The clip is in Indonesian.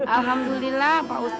alhamdulillah pak ustadz